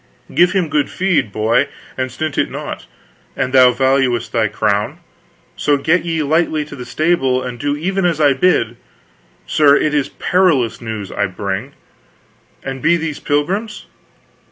Give him good feed, boy, and stint it not, an thou valuest thy crown; so get ye lightly to the stable and do even as I bid.... Sir, it is parlous news I bring, and be these pilgrims?